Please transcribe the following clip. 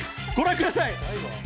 ご覧ください。